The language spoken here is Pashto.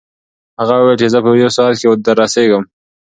هغه وویل چې زه په یو ساعت کې دررسېږم.